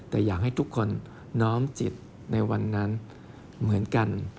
แต่อยากให้ทุกคนน้อมจิตในวันนั้นเหมือนกัน